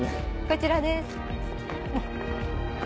こちらです。